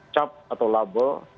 cap atau label